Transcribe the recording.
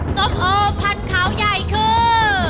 ส้มโอพันธุ์ใหญ่คือ